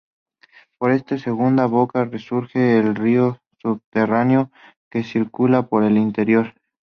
Por esta segunda boca resurge el río subterráneo que circula por el interior.